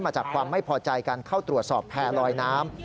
มาจากความไม่พอใจการเข้าตรวจสอบแพร่ลอยน้ำ